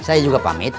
saya juga pamit